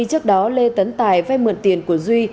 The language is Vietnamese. trước đó lê tấn tài vay mượn tiền của duy